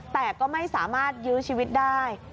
แต่ก็ไม่สามารถยื้อชีวิตได้